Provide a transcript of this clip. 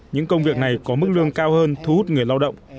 những công việc này có mức lương cao hơn thu hút người lao động